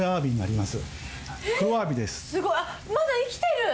まだ生きてる。